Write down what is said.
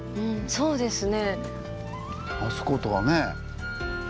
そうですね。